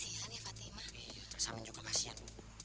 iya kak samin juga kasian